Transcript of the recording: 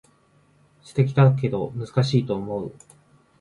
素敵だけど難しいと思う